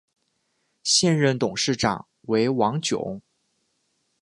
现任董事长为王炯。